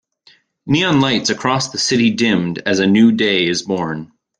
The neon lights across the city dimmed as a new day is born.